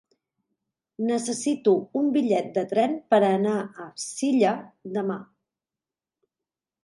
Necessito un bitllet de tren per anar a Silla demà.